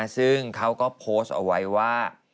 ซึ่งเขาก็โพสต์เอาไว้ว่า